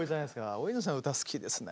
大泉さんの歌好きですね。